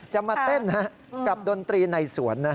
จะมาเต้นกับดนตรีในสวน